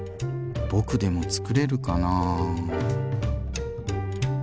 僕でもつくれるかなぁ？